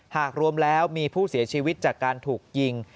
หากรวมแล้วมีผู้เสียชีวิตจากการถูกยิง